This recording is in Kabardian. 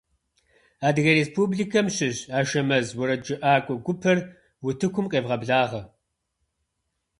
Адыгэ республикэм щыщ «Ашэмэз» уэрэджыӏакӏуэ гупыр утыкум къевгъэблагъэ!